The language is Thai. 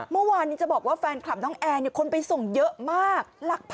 เมื่อวานนี้จะบอกว่าแฟนคลับน้องแอร์คนไปส่งเยอะมาก